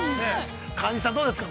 川西さん、どうですか。